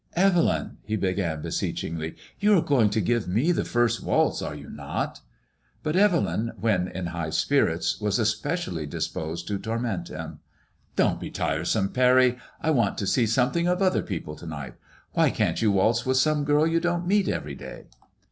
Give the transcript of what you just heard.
Evelyn,'' he began, beseech "^gly» "you are going to give , me the first walt2, are you not 7 " But Bvelyn, when in high spirits, was especially disposed to torment him. '' Don't be tiresome, Pany ; I want to see something of other people to night. Why can't you waltz with some girl you don't meet every day